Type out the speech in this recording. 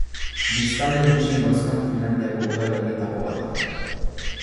Biztanle gutxien dauzkan Finlandiako udalerrietako bat da.